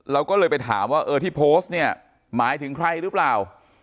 เราก็เลยไปถามว่าเออที่โพสต์เนี่ยหมายถึงใครหรือเปล่า